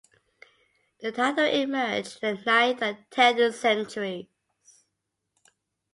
The title emerged in the ninth and tenth centuries.